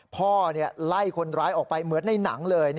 พ่อไล่คนร้ายออกไปเหมือนในหนังเลย